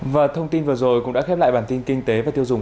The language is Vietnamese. và thông tin vừa rồi cũng đã khép lại bản tin kinh tế và tiêu dùng